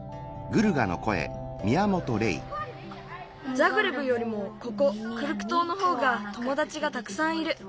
ザグレブよりもここクルク島のほうがともだちがたくさんいる。